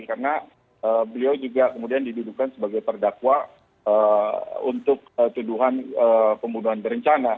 karena beliau juga kemudian didudukan sebagai perdakwa untuk tuduhan pembunuhan berencana